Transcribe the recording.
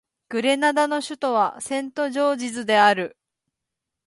グレナダの首都はセントジョージズである